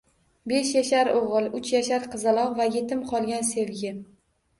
Besh yashar o’g’il, uch yashar qizaloq va yetim qolgan sevgi.